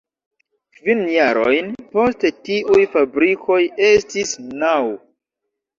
Kvin jarojn poste tiuj fabrikoj estis naŭ.